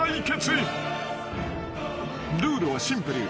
［ルールはシンプル］